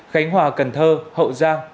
khánh hòa cần thơ hậu giang